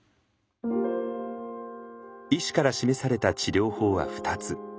医師から示された治療法は２つ。